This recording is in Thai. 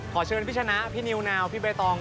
ขอเชิญพี่ชนะพี่นิวนาวพี่ใบตอง